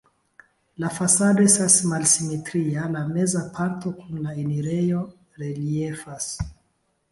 La fasado estas malsimetria, la meza parto kun la enirejo reliefas.